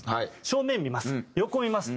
正面見ます。